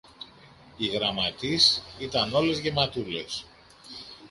οι γραμματείς ήταν όλες γεματούλες